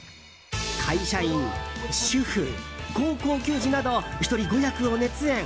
会社員、主婦、高校球児など１人５役を熱演。